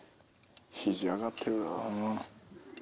肘上がってるなぁ。